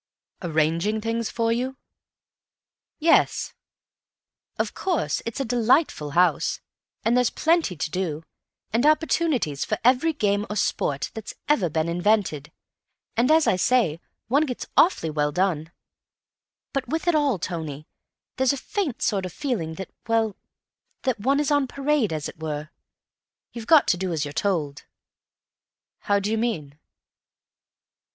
"Arranging things for you?" "Yes. Of course, it's a delightful house, and there's plenty to do, and opportunities for every game or sport that's ever been invented, and, as I say, one gets awfully well done; but with it all, Tony, there's a faint sort of feeling that—well, that one is on parade, as it were. You've got to do as you're told." "How do you mean?"